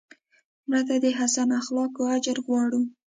مړه ته د حسن اخلاقو اجر غواړو